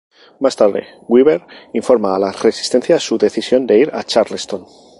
Más tarde, Weaver informa a la resistencia su decisión de ir a Charleston.